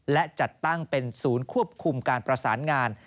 และจัดตั้งเป็นศูนย์ควบคุมการประสานงาน